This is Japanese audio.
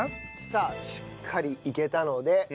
さあしっかりいけたので。